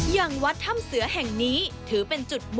ยังวัดธรรมเสือแห่งนี้ถือเป็นจุดมุ่งเวลา